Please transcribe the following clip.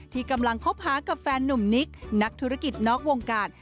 ที่กำลังคบหากับแฟนนุ่มนิกนักธุรกิจนอกวงการ